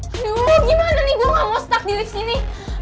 aduh gimana nih gue gak mau stagnan di sini